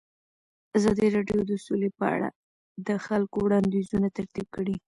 ازادي راډیو د سوله په اړه د خلکو وړاندیزونه ترتیب کړي.